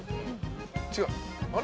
違うあれ？